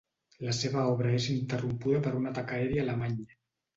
La seva obra és interrompuda per un atac aeri alemany.